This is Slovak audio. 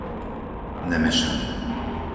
Nemešany